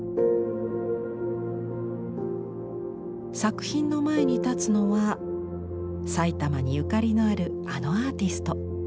作品の前に立つのはさいたまにゆかりのあるあのアーティスト。